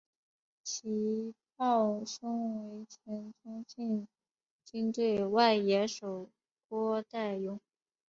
其胞兄为前中信鲸队外野手郭岱咏。